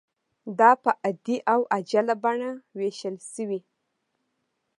دا په عادي او عاجله بڼه ویشل شوې.